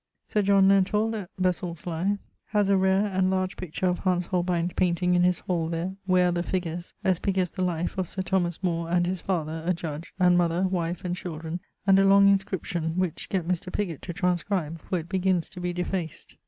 Sir John Lenthall at Besilslye haz a rare and large picture of Hans Holbein's painting in his hall there, where are the figures, as big as the life, of Sir Thomas and his father (a judge) and mother, wife and children, and a long inscription, which gett Mr. Pigot to transcribe, for it begins to be defaced.